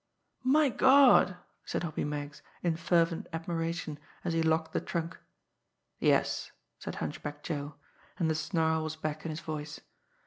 "My Gawd!" said Hoppy Meggs in fervent admiration, as he locked the trunk. "Yes," said Hunchback Joe and the snarl was back in his voice.